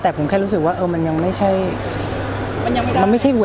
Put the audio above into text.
แต่ผมแค่รู้สึกว่ามันยังไม่ใช่